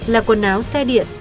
là quần áo xe điện